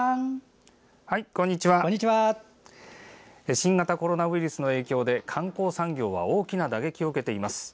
新型コロナウイルスの影響で観光産業は大きな打撃を受けています。